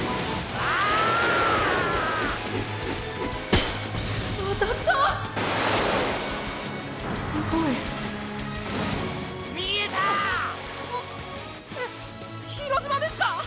あえっ広島ですか？